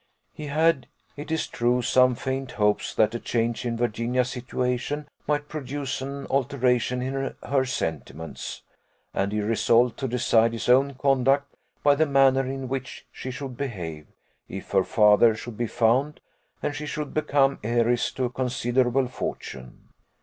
He had, it is true, some faint hopes that a change in Virginia's situation might produce an alteration in her sentiments, and he resolved to decide his own conduct by the manner in which she should behave, if her father should be found, and she should become heiress to a considerable fortune.